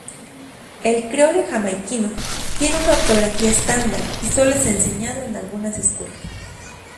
El creole jamaiquino tiene una ortografía estándar y solo es enseñado en algunas escuelas.